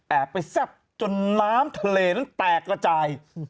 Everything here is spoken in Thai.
ไปแซ่บจนน้ำทะเลนั้นแตกระจาย